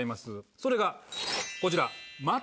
それがこちら。